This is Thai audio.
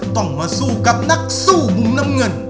ต้องมาสู้กับนักสู้มุมน้ำเงิน